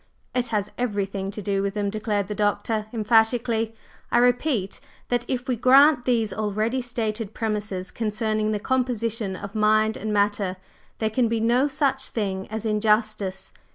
"It has everything to do with them," declared the Doctor emphatically, "I repeat that if we grant these already stated premises concerning the composition of Mind and Matter, there can be no such thing as injustice.